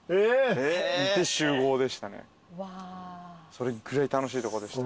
それぐらい楽しいとこでした。